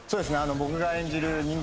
僕が演じる人間